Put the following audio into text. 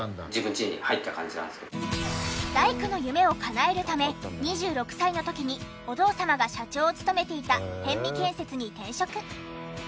大工の夢をかなえるため２６歳の時にお父様が社長を務めていた逸見建設に転職。